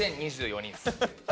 ９０２４人です。